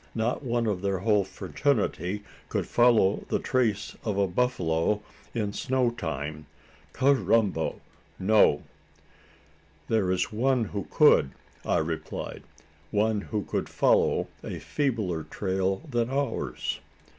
Not one of their whole fraternity could follow the trace of a buffalo in snow time. Carrambo! No." "There is one who could," I replied; "one who could follow a feebler trail than ours."